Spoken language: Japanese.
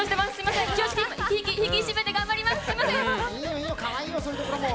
いいよ、いいよ、かわいいよ、そういうところも。